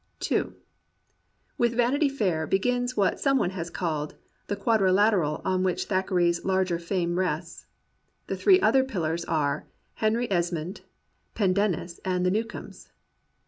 118 THACKERAY AND REAL MEN n With Vanity Fair begins what some one has called the quadrilateral on which Thackeray's larger fame rests. The three other pillars are, Henry Esmond, Pendennisy and The Newcomes.